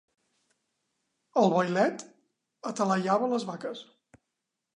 El vailet atalaiava les vaques.